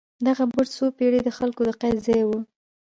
دغه برج څو پېړۍ د خلکو د قید ځای و.